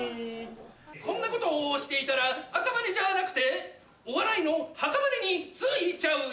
こんなことをしていたら赤羽じゃなくてお笑いのハカバネに着いちゃうよ。